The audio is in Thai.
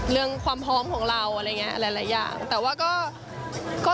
เรื่องความพร้อมของเราอะไรแบบนี้แต่ว่าก็